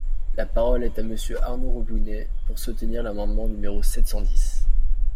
La parole est à Monsieur Arnaud Robinet, pour soutenir l’amendement numéro sept cent dix.